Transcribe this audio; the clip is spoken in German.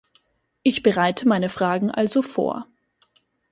Ich bereite meine Fragen also vor.